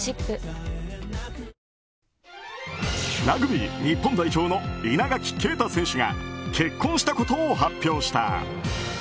ラグビー日本代表の稲垣啓太選手が結婚したことを発表した。